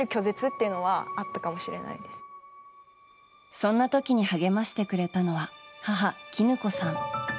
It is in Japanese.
そんな時に励ましてくれたのは母・キヌ子さん。